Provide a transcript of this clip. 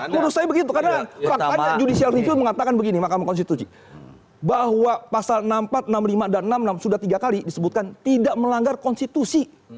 menurut saya begitu karena banyak judicial review mengatakan begini mahkamah konstitusi bahwa pasal enam puluh empat enam puluh lima dan enam puluh enam sudah tiga kali disebutkan tidak melanggar konstitusi